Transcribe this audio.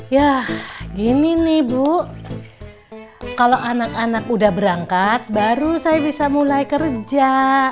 ya gini nih bu kalau anak anak udah berangkat baru saya bisa mulai kerja